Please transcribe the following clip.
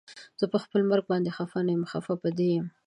زه پخپل مرګ باندې خفه نه یم خفه په دې یم